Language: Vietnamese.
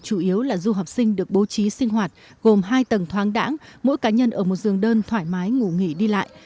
chủ yếu là du học sinh được bố trí sinh hoạt gồm hai tầng thoáng đẳng mỗi cá nhân ở một giường đơn thoải mái ngủ nghỉ đi lại